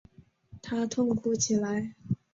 他痛哭起来